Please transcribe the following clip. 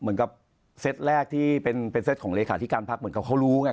เหมือนกับเซตแรกที่เป็นเซตของเลขาธิการพักเหมือนกับเขารู้ไง